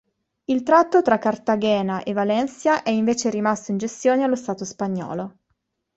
Il tratto tra Cartagena e Valencia è invece rimasto in gestione allo Stato spagnolo.